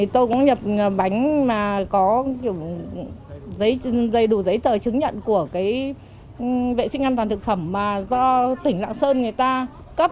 tôi cũng nhập bánh mà có đầy đủ giấy tờ chứng nhận của vệ sinh an toàn thực phẩm mà do tỉnh lạng sơn người ta cấp